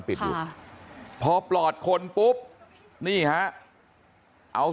สวัสดีครับคุณผู้ชาย